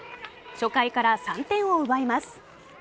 初回から３点を奪います。